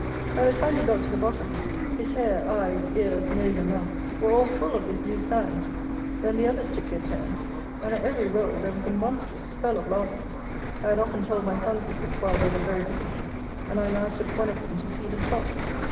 By the time he got to the bottom, his hair, eyes, ears, nose, and mouth, were all full of this loose sand; then the others took their turn, and at every roll there was a monstrous spell of laughter. I had often told my sons of this while they were very little, and I now took one of them to see the spot.